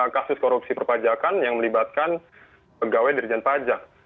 kasus korupsi perpajakan yang melibatkan pegawai dirjen pajak